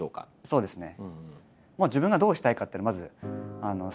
そうですね。